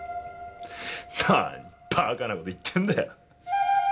何バカな事言ってんだよ。